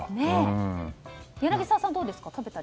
柳澤さん、どうですか？